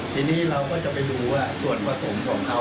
ทีนี้เราก็จะไปดูว่าส่วนผสมของเขา